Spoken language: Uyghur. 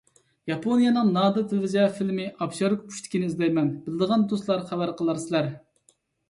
ياپونىيەنىڭ نادىر تېلېۋىزىيە فىلىمى «ئاپشاركا پۇشتىكى» نى ئىزدەيمەن. بىلىدىغان دوستلار خەۋەر قىلارسىلەر.